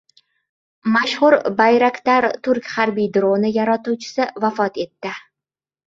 Mashhur Bayraktar turk harbiy droni yaratuvchisi vafot etdi